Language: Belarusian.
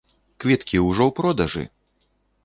Квіткі ўжо ў продажы!